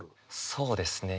そうですね。